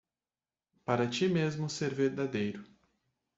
Para ti mesmo ser verdadeiro